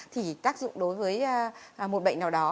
thì tác dụng đối với một bệnh nào đó